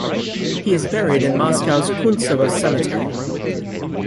He is buried in Moscow's Kuntsevo Cemetery.